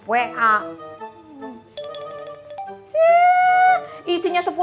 buku tabungan aja pakai di posting di grup wa